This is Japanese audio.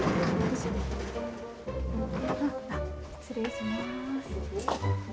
失礼します。